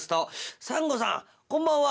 「サンゴさんこんばんは。